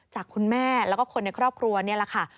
จากคุณแม่แล้วก็คนในครอบครัวนี่แหละค่ะ